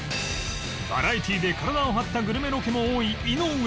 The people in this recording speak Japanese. バラエティーで体を張ったグルメロケも多い井上